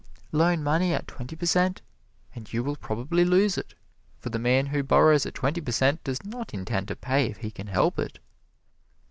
Loan money at twenty per cent and you will probably lose it; for the man who borrows at twenty per cent does not intend to pay if he can help it.